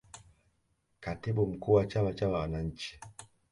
katibu mkuu wa chama cha wananchi